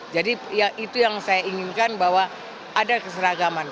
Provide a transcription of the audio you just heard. jadi itu yang saya inginkan bahwa ada keseragaman